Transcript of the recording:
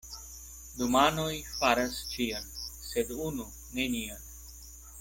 Du manoj faras ĉion, sed unu nenion.